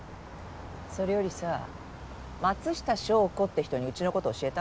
それよりさ松下祥子って人にうちのこと教えた？